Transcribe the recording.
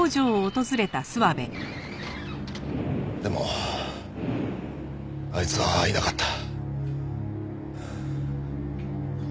でもあいつはいなかった。